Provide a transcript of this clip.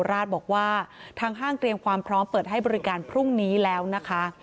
ราชบอกว่าทางห้างเตรียมความพร้อมเปิดให้บริการพรุ่งนี้แล้วนะคะ